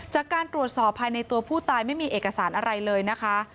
จากการตรวจสอบภายในตัวผู้ตายไม่มีเอกสารอะไรเลยนะคะ